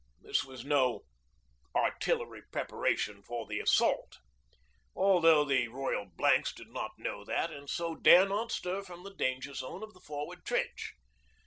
This was no 'artillery preparation for the assault,' although the Royal Blanks did not know that and so dare not stir from the danger zone of the forward trench.